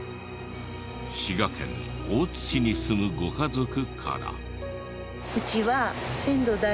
滋賀県大津市に住むご家族から。